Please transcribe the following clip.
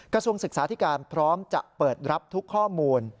กระทรวงศึกษาธิการพร้อมจะเปิดรับทุกข้อมูล